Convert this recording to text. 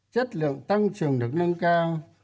chất lượng tăng trưởng được nâng cao